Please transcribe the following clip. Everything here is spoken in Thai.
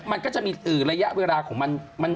มันก็จะมีระยะเวลาของมัน